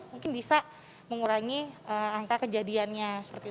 mungkin bisa mengurangi angka kejadiannya